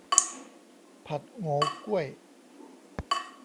ผัดโหงวก้วย